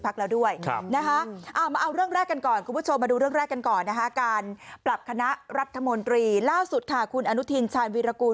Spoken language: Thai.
การปรับคณะรัฐมนตรีล่าสุดค่ะคุณอนุทินชาญวิรกูล